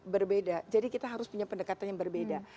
berbeda jadi kita harus punya pendekatan yang berbeda